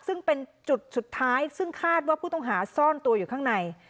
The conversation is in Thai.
ซึ่งเป็นจุดสุดท้ายซึ่งคาดว่าผู้ต้องหาซ่อนตัวอยู่ข้างใน